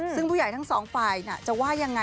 ซึ่งผู้ใหญ่ทั้งสองฝ่ายจะว่ายังไง